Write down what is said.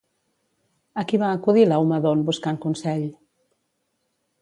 A qui va acudir Laomedont buscant consell?